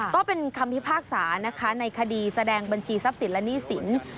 ก็เป็นคำพิพากษานะคะในคดีแสดงบัญชีทรัพย์สินและหนี้สิน